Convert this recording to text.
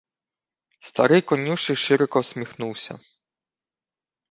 Старий конюший широко всміхнувся.